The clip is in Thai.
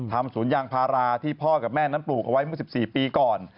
ทำศูนย์ยางภาราที่พ่อกับแม่นั้นปลูกเอาไว้๑๔ปีก่อน